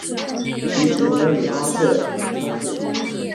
其职能与阿斯特莉亚相似。